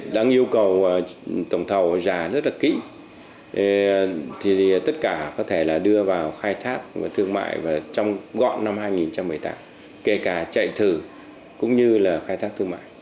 đã yêu cầu tổng thầu giả rất là kỹ thì tất cả có thể là đưa vào khai thác thương mại và trong gọn năm hai nghìn một mươi tám kể cả chạy thử cũng như là khai thác thương mại